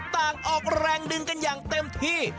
ต่างออกแรงดึงกันอย่างเต็มที่